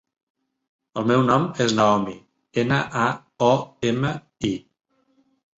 El meu nom és Naomi: ena, a, o, ema, i.